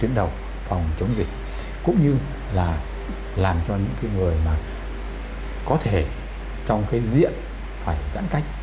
tuyến đầu phòng chống dịch cũng như là làm cho những người có thể trong khi diễn phải giãn cách